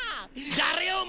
誰やお前！